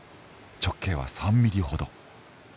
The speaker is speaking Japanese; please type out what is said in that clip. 直径は３ミリほど。